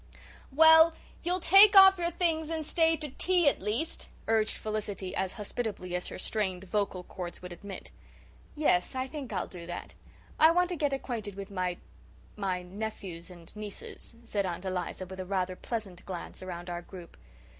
"Well, you'll take off your things and stay to tea, at least," urged Felicity, as hospitably as her strained vocal chords would admit. "Yes, I think I'll do that. I want to get acquainted with my my nephews and nieces," said Aunt Eliza, with a rather pleasant glance around our group.